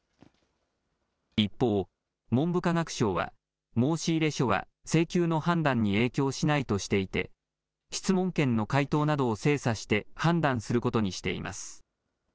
一方、文部科学省は申し入れ書は請求の判断に影響しないとしていて、質問権の回答などを精査して、判断することにしています。